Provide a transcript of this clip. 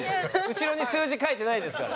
後ろに数字書いてないですから。